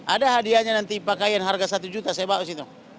ada hadiahnya nanti pakaian harga satu juta saya bawa ke situ